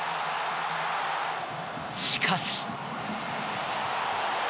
しかし。